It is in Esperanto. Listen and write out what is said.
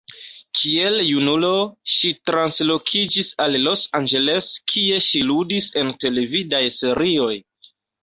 Kiel junulo, ŝi translokiĝis al Los Angeles, kie ŝi ludis en televidaj serioj.